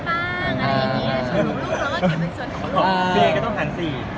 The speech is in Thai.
เธอขึ้นยังถึงถึงขั้นสี